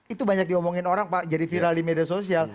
itu banyak diomongin orang pak jadi viral di media sosial